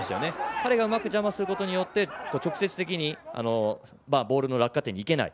彼がうまく邪魔することによって直接的にボールの落下点にいけない。